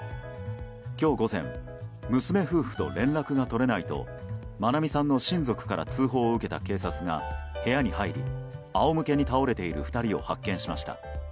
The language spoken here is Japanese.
今日午前娘夫婦と連絡が取れないと愛美さんの親族から通報を受けた警察が部屋に入り仰向けに倒れている２人を発見しました。